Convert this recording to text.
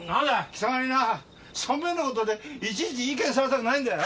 貴様になぁしょんべんの事でいちいち意見されたくないんだよ！